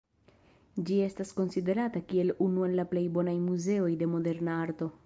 Ĝi estas konsiderata kiel unu el la plej bonaj muzeoj de moderna arto.